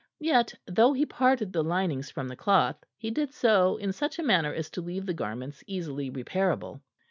Yet, though he parted the linings from the cloth, he did so in such a manner as to leave the garments easily repairable.